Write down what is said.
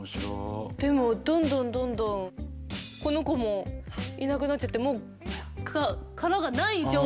でもどんどんどんどんこの子もいなくなっちゃってもう殻がない状態。